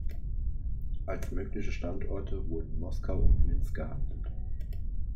Als mögliche Standorte wurden Moskau und Minsk gehandelt.